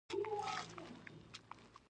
غیرت د نارینه ښکلا ده